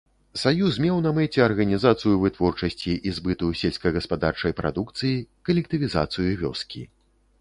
Саюз меў на мэце арганізацыю вытворчасці і збыту сельскагаспадарчай прадукцыі, калектывізацыю вёскі.